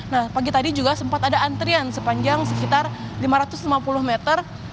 nah pagi tadi juga sempat ada antrian sepanjang sekitar lima ratus lima puluh meter